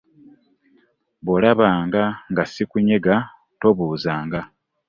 Bw'olabanga nga sikunyega tobuuzanga.